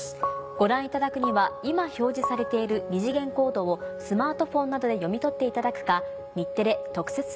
ご覧いただくには今表示されている二次元コードをスマートフォンなどで読み取っていただくか。